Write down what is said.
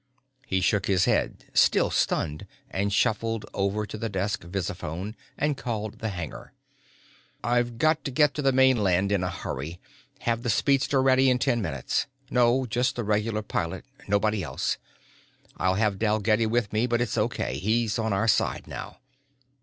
He shook his head, still stunned, and shuffled over to the desk visiphone and called the hangar. "I've got to get to the mainland in a hurry. Have the speedster ready in ten minutes. No, just the regular pilot, nobody else. I'll have Dalgetty with me but it's okay. He's on our side now."